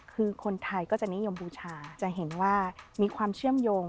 คือคนไทยก็จะนิยมบูชาจะเห็นว่ามีความเชื่อมโยง